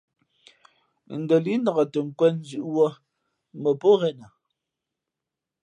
Ndα līʼ nak tα nkwēn zʉ̌ʼ wūᾱ mα pō ghenα.